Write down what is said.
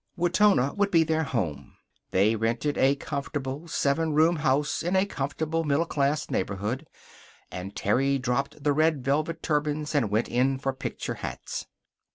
Wetona would be their home. They rented a comfortable, seven room house in a comfortable, middle class neighborhood, and Terry dropped the red velvet turbans and went in for picture hats.